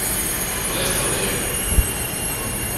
Ɣlayet ṭṭabla-yi.